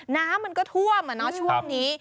น้ำมันก็ท่วมอ่ะเนอะช่วงนี้